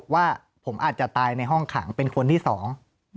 ว่าผมอาจจะตายในห้องขังเป็นคนที่สอง